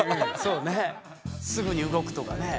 すぐに動くとかね。